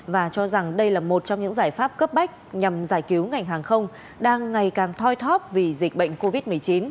và cho rằng đây là một trong những giải pháp cấp bách nhằm giải cứu ngành hàng không đang ngày càng thoi thóp vì dịch bệnh covid một mươi chín